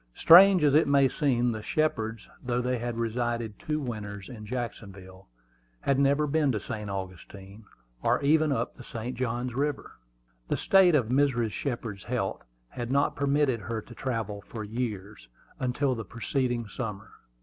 Strange as it may seem, the Shepards, though they had resided two winters in Jacksonville, had never been to St. Augustine, or even up the St. Johns River. The state of Mrs. Shepard's health had not permitted her to travel for several years, until the preceding summer.